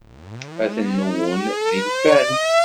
Ad ten-nwun d ilfan.